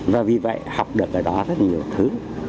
và vì vậy học được ở đó rất nhiều thứ